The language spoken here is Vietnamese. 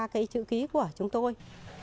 cái chữ ký của chúng tôi